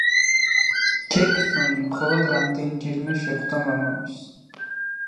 ჯექსონი მხოლოდ რამდენიმეჯერ შეხვდა მამამისს.